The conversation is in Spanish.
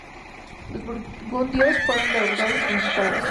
Los burgundios fueron derrotados y conquistados.